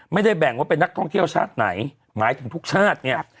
ไม่ได้แบ่งว่าเป็นนักท่องเที่ยวชาติไหนหมายถึงทุกชาติเนี่ย